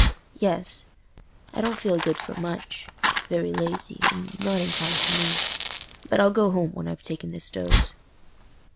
"Yes: I don't feel good for much—very lazy, and not inclined to move; but I'll go home when I've taken this dose."